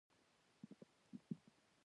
د هډې ملاصاحب نظر بند او بل ځل بندي کړ.